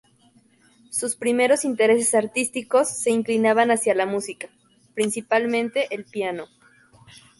Sus primeros intereses artísticos se inclinaban hacia la música, principalmente el piano.